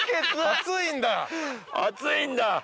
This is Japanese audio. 熱いんだ。